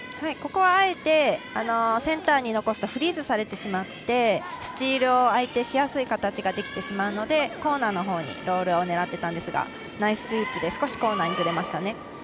ここはあえてセンターに残すとフリーズされてスチールを相手がしやすい形ができてしまうのでコーナーのほうにロールを狙っていたんですがナイススイープで少しコーナーにずれました。